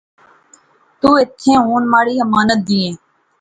تو ایتھیں ہن مہاڑی امانت دئیں